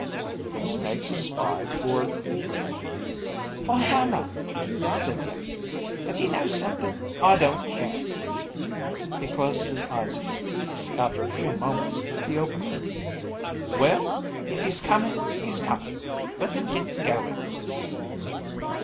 "But Snake's a spy for ...""... for Hama," said Iimmi. "And you know something? I don't care." He closed his eyes again. After a few moments, he opened them. "Well, if he's coming, he's coming. Let's get going."